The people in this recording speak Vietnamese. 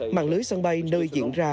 mạng lưới sân bay nơi diễn ra